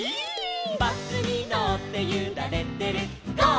「バスにのってゆられてるゴー！